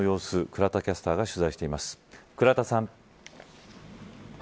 倉田さん。